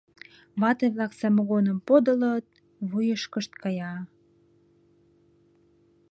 Вате-влак самогоным подылыт, вуйышкышт кая.